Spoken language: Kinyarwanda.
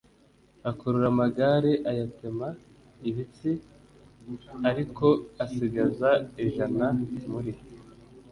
akurura amagare ayatema ibitsi l ariko asigaza ijana muri